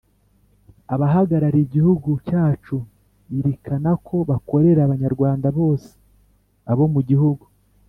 abahagarariye igihugu cyacuirikana ko bakorera abanyarwanda bose, abo mu gihugu,